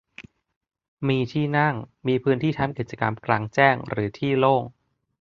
มีที่นั่ง มีพื้นที่ทำกิจกรรมกลางแจ้งหรือที่โล่ง